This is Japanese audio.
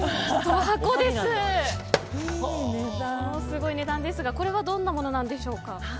すごい値段ですがこれはどんなものなんでしょうか。